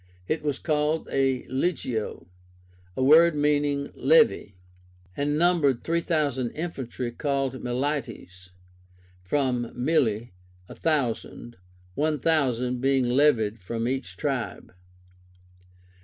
It was called a Legio (a word meaning levy), and numbered three thousand infantry called milites, from mille, a thousand, one thousand being levied from each tribe.